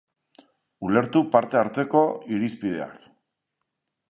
Alerta-maila bakoitzak ezarri beharreko neurri batzuk ditu.